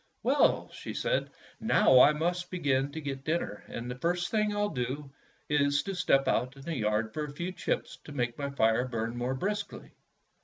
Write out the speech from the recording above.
''Well," she said, "now I must begin to get dinner, and the first thing I 'll do is to step out into the yard for a few chips to make my fire burn more briskly."